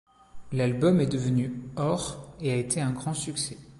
L'album est devenu or et a été un grand succès.